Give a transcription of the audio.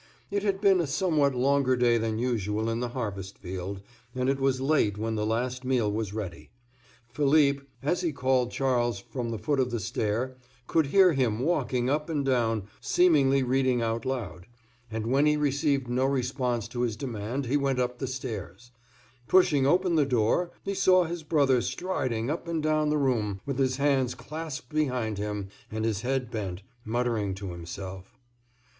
It had been a somewhat longer day than usual in the harvest field, and it was late when the last meal was ready. Philippe, as he called Charles, from the foot of the stair, could hear him walking up and down, seemingly reading out loud, and when he received no response to his demand he went up the stairs. Pushing open the door, he saw his brother striding up and down the room, with his hands clasped behind him and his head bent, muttering to himself.